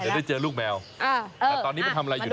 เดี๋ยวได้เจอลูกแมวแต่ตอนนี้มันทำอะไรอยู่นะ